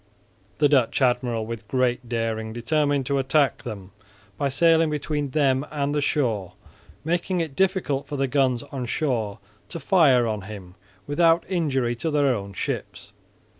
The Dutch admiral with great daring determined to attack them by sailing between them and the shore, making it difficult for the guns on shore to fire on him without injury to their own ships.